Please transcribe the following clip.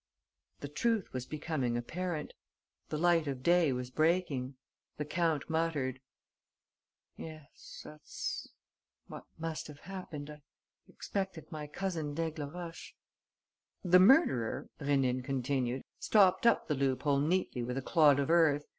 The truth was becoming apparent. The light of day was breaking. The count muttered: "Yes, that's what must have happened. I expect that my cousin d'Aigleroche...." "The murderer," Rénine continued, "stopped up the loophole neatly with a clod of earth.